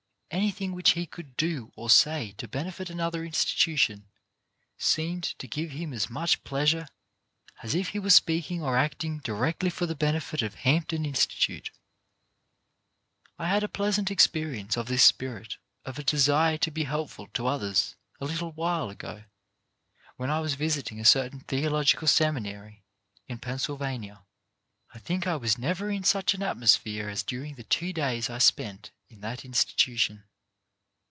Any thing which he could do or say to benefit another institution seemed to give him as much pleasure as if he were speaking or acting directly for the benefit of Hampton Institute. I had a pleasant experience of this spirit of a WHAT WOULD PARENTS SAY? 231 desire to be helpful to others a little while ago, when I was visiting a certain theological seminary in Pennsylvania. I think I was never in such an atmosphere as during the two days I spent in that institution.